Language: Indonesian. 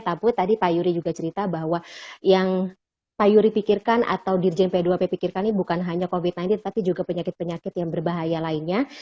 tapi tadi pak yuri juga cerita bahwa yang pak yuri pikirkan atau dirjen p dua p pikirkan ini bukan hanya covid sembilan belas tapi juga penyakit penyakit yang berbahaya lainnya